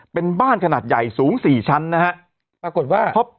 เป็นบ้านขนาดใหญ่สูงสี่ชั้นนะฮะปรากฏว่าพบ